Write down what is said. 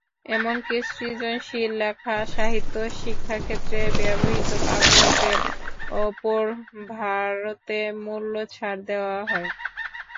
এমনকি সৃজনশীল লেখা, সাহিত্য, শিক্ষাক্ষেত্রে ব্যবহৃত কাগজের ওপর ভারতে মূল্যছাড় দেওয়া হয়।